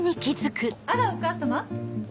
あらお母様。